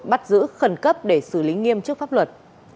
bắt giữ khẩn cấp để xử lý nghiêm trước pháp luật